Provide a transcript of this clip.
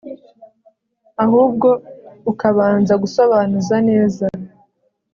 ahubwo ukabanza gusobanuza neza